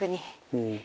うん。